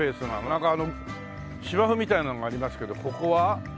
なんかあの芝生みたいなのがありますけどここは？